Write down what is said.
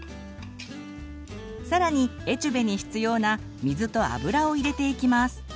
さらにエチュベに必要な水と油を入れていきます。